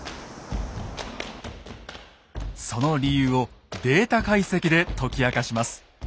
その理由をデータ解析で解き明かします。